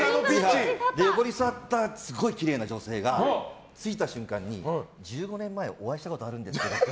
横についたすごいきれいな女性がついた瞬間に１５年前、お会いしたことがあるんですけどって。